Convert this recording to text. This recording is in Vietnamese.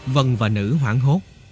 vân và nữ hoảng hốt